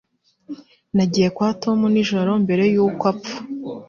Nagiye kwa Tom nijoro mbere yuko apfa.